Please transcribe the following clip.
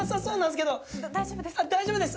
大丈夫です。